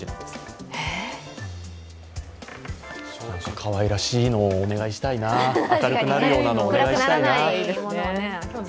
かわいらしいのお願いしたいな明るくなるようなのお願いしたいな。